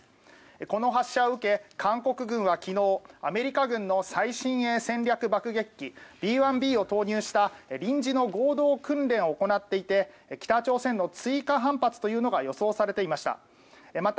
この発射を受け韓国軍は昨日アメリカ軍の最新鋭戦略爆撃機Ｂ１Ｂを投入した臨時の合同訓練を行っていて北朝鮮の追加反発というのが予想されていました。